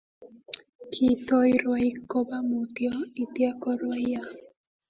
Kitoi rwaik kopa mutyo itya ko rwaiya